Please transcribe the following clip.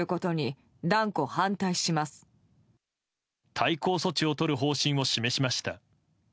対抗措置をとる方針を示しました。